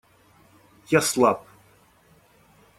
Я слаб.